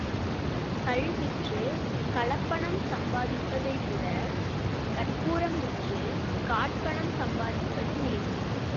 கள் விற்றுக் கலப்பணம் சம்பாதிப்பதைவிடக் கற்பூரம் விற்றுக் காற்பணம் சம்பாதிப்பது மேல்.